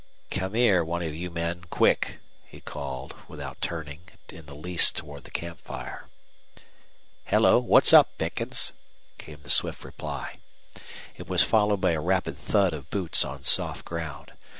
"Come here, one of you men, quick," he called, without turning in the least toward the camp fire. "Hello! What's up, Pickens?" came the swift reply. It was followed by a rapid thud of boots on soft ground.